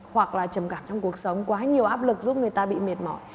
hoặc là trầm cảm trong cuộc sống quá nhiều áp lực giúp người ta bị mệt mỏi